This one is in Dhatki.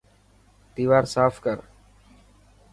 ديوار ساف ڪر.